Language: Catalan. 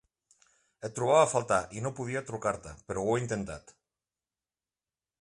Et trobava a faltar i no podia trucar-te, però ho he intentat.